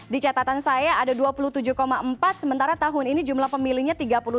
di catatan saya ada dua puluh tujuh empat sementara tahun ini jumlah pemilihnya tiga puluh lima